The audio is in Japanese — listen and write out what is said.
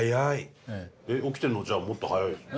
起きてるのはじゃあもっと早いですよね？